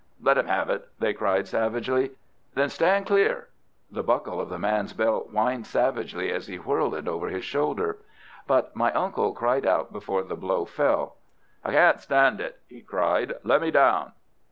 "Let him have it," they cried, savagely. "Then stand clear!" The buckle of the man's belt whined savagely as he whirled it over his shoulder. But my uncle cried out before the blow fell. "I can't stand it!" he cried. "Let me down!"